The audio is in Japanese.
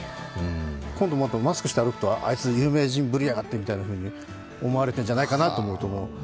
今度またマスクして歩くとあいつ、有名人ぶりやがってみたいに思われてるんじゃないかと。